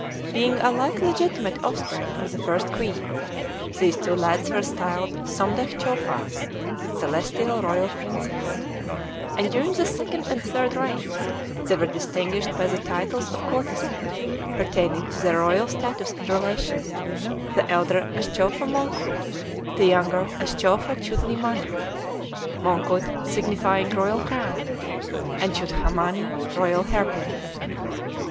Being alike legitimate offspring of the first queen, these two lads were styled Somdetch Chowfas, "Celestial Royal Princes"; and during the second and third reigns they were distinguished by the titles of courtesy pertaining to their royal status and relation, the elder as Chowfa Mongkut, the younger as Chowfa Chudha Mani: Mongkut signifying "Royal Crown," and Chudha Mani "Royal Hair pin."